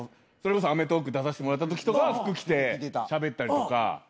それこそ『アメトーーク！』出させてもらったときとかは服着てしゃべったりとか。